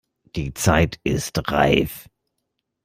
Die Zeit ist reif!